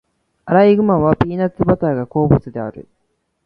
アライグマはピーナッツバターが好物である。